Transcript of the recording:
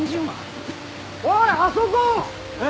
おいあそこ！